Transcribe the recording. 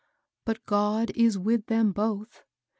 But God is with tbem both.